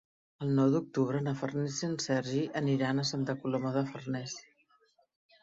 El nou d'octubre na Farners i en Sergi aniran a Santa Coloma de Farners.